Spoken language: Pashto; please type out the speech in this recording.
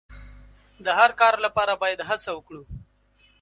د هر کار لپاره باید هڅه وکړو.